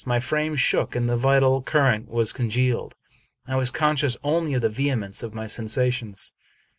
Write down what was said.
My frame shook, and the vital current was congealed. I was conscious only of the vehemence of my sensations.